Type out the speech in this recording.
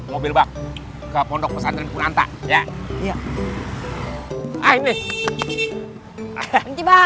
mobil bak ke pondok pesantren kunanta ya ini bang